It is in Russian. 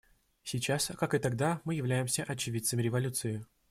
Сейчас, как и тогда, мы являемся очевидцами революции.